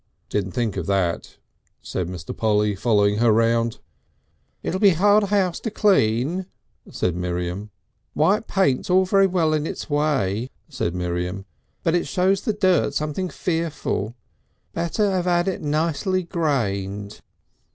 "Didn't think of that," said Mr. Polly, following her round. "It'll be a hard house to keep clean," said Miriam. "White paint's all very well in its way," said Miriam, "but it shows the dirt something fearful. Better 'ave 'ad it nicely grained."